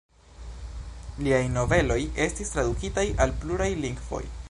Liaj noveloj estis tradukitaj al pluraj lingvoj.